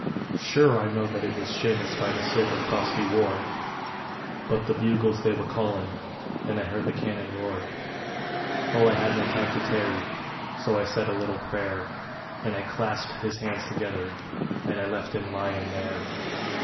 Sure I know that it was Shamus by the silver cross he wore; But the bugles they were callin', and I heard the cannon roar. Oh I had no time to tarry, so I said a little prayer, And I clasped his hands together, and I left him lyin' there.